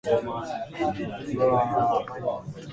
She was the second celebrity to be eliminated from the competition.